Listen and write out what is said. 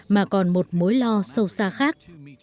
mà còn một mối lo sâu xa khác